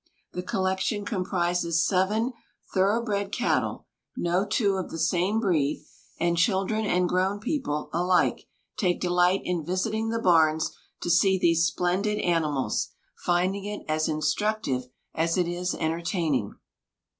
The collection comprises seven thoroughbred cattle, no two of the same breed, and children and grown people alike take delight in visiting the barns to see these splendid animals, finding it as instructive as it is entertaining.